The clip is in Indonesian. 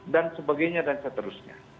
dan sebagainya dan seterusnya